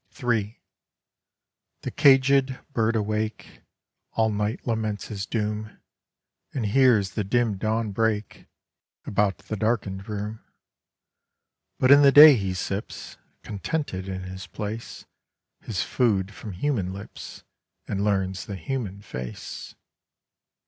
III The cagèd bird awake All night laments his doom, And hears the dim dawn break About the darken'd room; But in the day he sips, Contented in his place, His food from human lips, And learns the human face.